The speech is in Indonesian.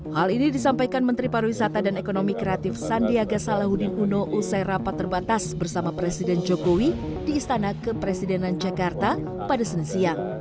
hal ini disampaikan menteri pariwisata dan ekonomi kreatif sandiaga salahuddin uno usai rapat terbatas bersama presiden jokowi di istana kepresidenan jakarta pada senin siang